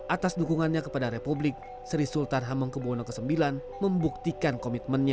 atas dukungannya kepada republik sri sultan hamengkubwono ix membuktikan komitmennya